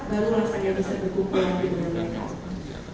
baru langsung bisa berkumpul di gunung mereka